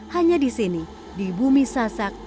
hanya di sini di bumi sasak